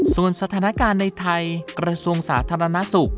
ส่วนสถานการณ์ในไทยกระทรวงสาธารณสุข